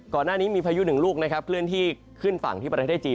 ก่อนหน้านี้มีพายุหนึ่งลูกนะครับเคลื่อนที่ขึ้นฝั่งที่ประเทศจีน